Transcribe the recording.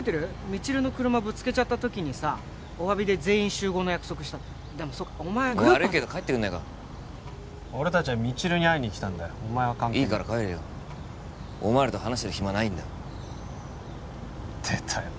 未知留の車ぶつけちゃった時にさおわびで全員集合の約束したのでもそうかお前グループ悪いけど帰ってくんないか俺達は未知留に会いに来たんだよいいから帰れよお前らと話してる暇ないんだ出たよ